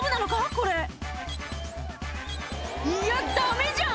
これいやダメじゃん！